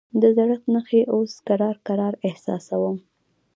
د زړښت نښې اوس کرار کرار احساسوم.